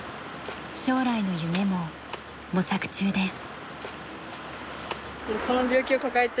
将来の夢も模索中です。